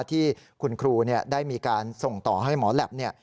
ที่คุณครูได้มีการส่งต่อให้หมอแหลปเนี่ย